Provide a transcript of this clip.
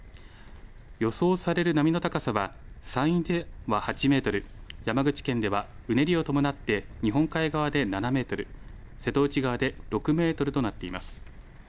予想される波の高さは山陰では８メートル、山口県ではうねりを伴って日本海側で７メートル、瀬戸内側で６メートルとなっています。